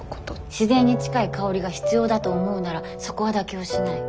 自然に近い香りが必要だと思うならそこは妥協しない。